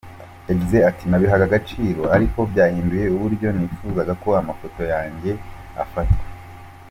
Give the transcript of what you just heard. Yagize ati “Nabihaga agaciro ariko byahinduye uburyo nifuzaga ko amafoto yanjye afatwa.